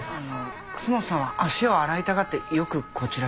楠本さんは足を洗いたがってよくこちらに？